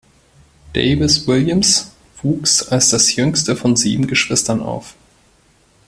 Davis-Williams wuchs als das jüngste von sieben Geschwistern auf.